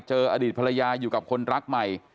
อดีตภรรยาอยู่กับคนรักใหม่